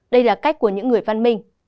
đây là cách của những người văn minh